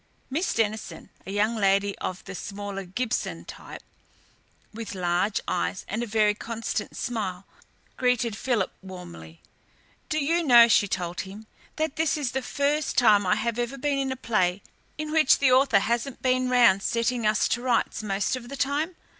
Miss Denison, a young lady of the smaller Gibson type, with large eyes and a very constant smile, greeted Philip warmly. "Do you know," she told him, "that this is the first time I have ever been in a play in which the author hasn't been round setting us to rights most of the time?